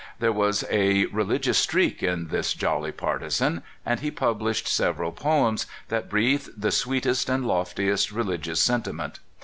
There w^as a religious streak in this jolly partisan, and he published several poems that breathed the sweetest and loftiest religious sentiment.